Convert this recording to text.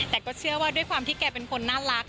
แต่ก็เชื่อว่าด้วยความที่แกเป็นคนน่ารัก